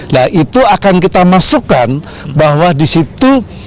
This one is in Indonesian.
nah itu akan kita masukkan bahwa disitu